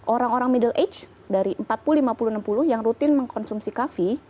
orang orang middle age dari empat puluh lima puluh enam puluh yang rutin mengkonsumsi kafe